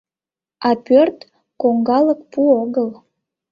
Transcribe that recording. А пӧрт — коҥгалык пу огыл.